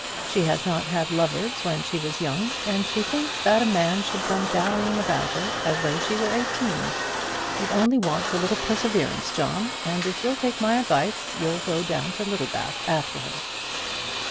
She has not had lovers when she was young, and she thinks that a man should come dallying about her as though she were eighteen. It only wants a little perseverance, John, and if you'll take my advice, you'll go down to Littlebath after her."